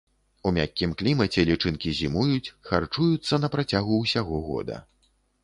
У мяккім клімаце лічынкі зімуюць, харчуюцца на працягу ўсяго года.